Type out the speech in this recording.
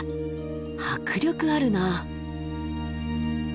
迫力あるな。